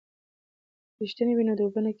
که ریښه وي نو اوبه نه کمیږي.